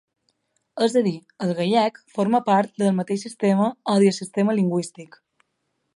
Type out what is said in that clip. És a dir, el gallec forma part del mateix sistema o diasistema lingüístic.